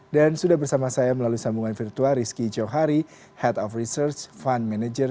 dan sudah bersama saya melalui sambungan virtual rizky johari head of research fund manager